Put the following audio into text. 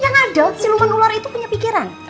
yang ada siluman ular itu punya pikiran